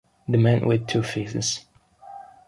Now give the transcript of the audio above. The Man with Two Faces